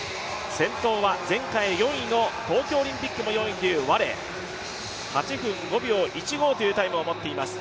先頭は前回４位、東京オリンピックも４位というワレ８分５秒１５というタイムを持っています。